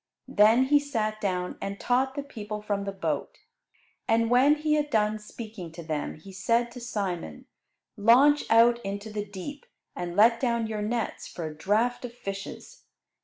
Then He sat down and taught the people from the boat. And when He had done speaking to them He said to Simon, "Launch out into the deep, and let down your nets for a draught of fishes."